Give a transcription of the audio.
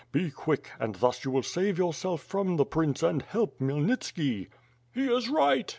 Be quick, and thus you will save yourself from the prince and help Khmyelnit ski." "He is right!"